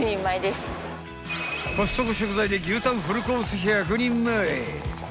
コストコ食材で牛タンフルコース１００人前。